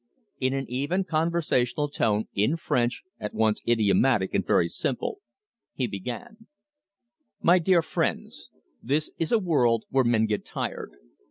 In an even, conversational tone, in French at once idiomatic and very simple, he began: "My dear friends, this is a world where men get tired.